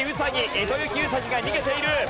エゾユキウサギが逃げている。